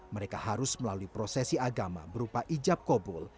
mereka harus melalui prosesi agama berupa ijab kobul